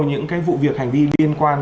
những cái vụ việc hành vi liên quan